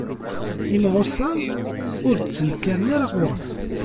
Imɛuṣa ur d-ttnekkaren ara ɣur-s.